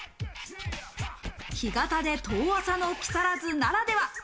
干潟で遠浅の木更津ならでは。